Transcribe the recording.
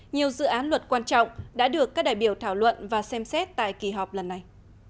nhiều dự án luật quan trọng đã được các đại biểu thảo luận và xem xét tại kỳ họp lần này